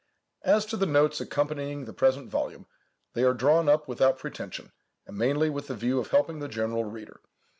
As to the Notes accompanying the present volume, they are drawn up without pretension, and mainly with the view of helping the general reader.